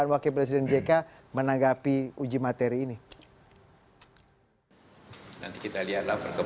ya kita lihat perkembangannya